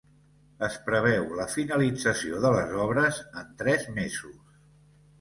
Es preveu la finalització de les obres en tres mesos.